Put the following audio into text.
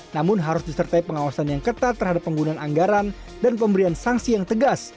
namun harus disertai pengawasan yang ketat terhadap penggunaan anggaran dan pemberian sanksi yang tegas